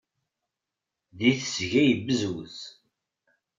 Di tesga yebbezwez.